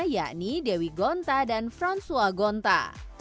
yakni dewi gonta dan fransua gonta